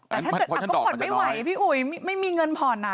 แต่ถ้าเกิดก็ผ่อนไม่ไหวพี่อุ๋ยไม่มีเงินผ่อน